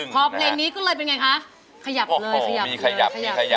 พอเพลงนี้ก็เลยเป็นไงคะขยับเลยขยับขยับขยับ